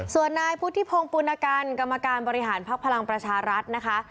ส่วนนายพุทธิพงศ์ปุณกันกรรมการบริหารภักดิ์พลังประชารัฐนะคะ